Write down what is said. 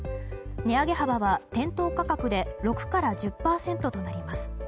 値上げ幅は店頭価格で６から１０％となります。